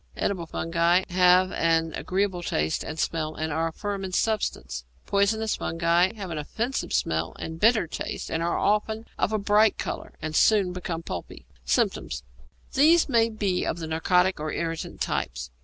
Edible fungi have an agreeable taste and smell, and are firm in substance. Poisonous fungi have an offensive smell and bitter taste, are often of a bright colour, and soon become pulpy. Symptoms. These may be of the narcotic or irritant types.